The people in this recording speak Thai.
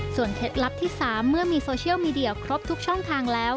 เคล็ดลับที่๓เมื่อมีโซเชียลมีเดียครบทุกช่องทางแล้ว